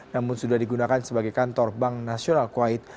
namun sudah digunakan sebagai kantor bank nasional kuwait